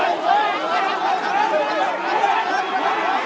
ก็แค่นี้ก่อนนะครับแค่นี้ก่อนหยุดก่อนแค่นี้ก่อน